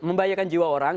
membahayakan jiwa orang